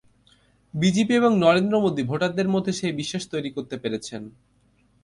BJP এবং নরেন্দ্র মোদি ভোটারদের মধ্যে সেই বিশ্বাস তৈরি করতে পেরেছেন।